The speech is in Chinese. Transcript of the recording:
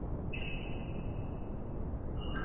马格瑞的记述大概来自口述传说。